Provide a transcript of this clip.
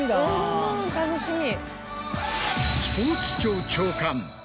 うん楽しみ。